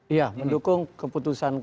iya mendukung keputusan